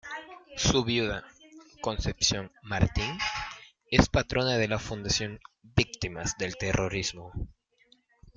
Su viuda, Concepción Martín, es patrona de la Fundación Víctimas del Terrorismo.